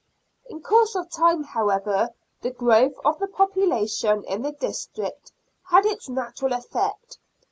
In course of time, how ever, the growth of the population in the district had its natural effect.